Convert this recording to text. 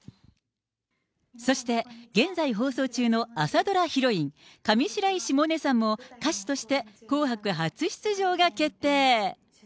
そして現在放送中の朝ドラヒロイン、上白石萌音さんも、歌手として紅白初出場が決定。